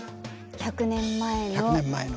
１００年前の。